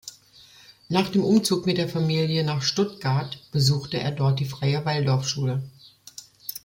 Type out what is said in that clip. Nach dem Umzug mit der Familie nach Stuttgart besuchte er dort die Freie Waldorfschule.